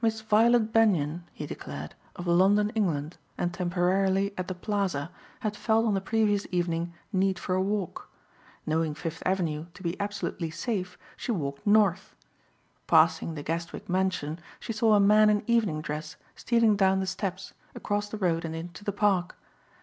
Miss Violet Benyon, he declared, of London, England, and temporarily at the Plaza, had felt on the previous evening need for a walk. Knowing Fifth Avenue to be absolutely safe she walked North. Passing the Guestwick mansion she saw a man in evening dress stealing down the steps, across the road and into the Park.